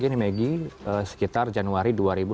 ini megi sekitar januari dua ribu dua puluh